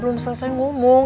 belum selesai ngomong